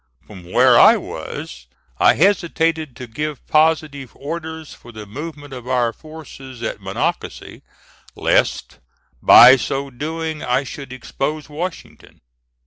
From where I was, I hesitated to give positive orders for the movement of our forces at Monocacy, lest by so doing I should expose Washington.